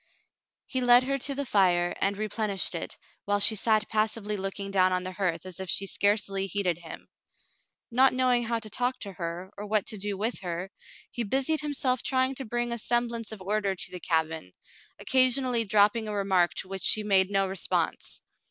He led her to the fire, and replenished it, while she sat passively looking down on the hearth as if she scarcely heeded him. Not knowing how to talk to her, or what to do with her, he busied himself trying to bring a semblance of order to the cabin, occasionally dropping a remark to which she made no response.